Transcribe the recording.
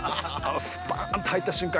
スパーンと入った瞬間